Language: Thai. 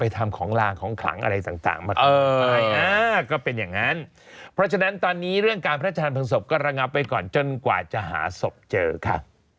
ทางศพก็ระงับไปก่อนจนกว่าจะหาศพเจอค่ะ